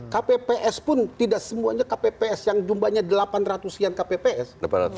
kpps pun tidak semuanya kpps yang jumlahnya delapan ratus sekian kpps